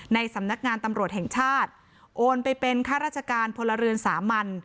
ในสำนักงานตำรวจแห่งชาติโอนไปเป็นค่าราชการพลเรือนสามัญ